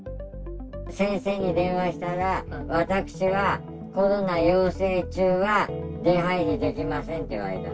先生に電話したら、私は、コロナ陽性中は出はいりできませんって言われた。